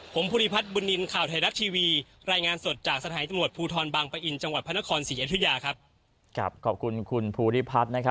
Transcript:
ผมภูิพัทรบุญนินข่าวไทยรัสทีวี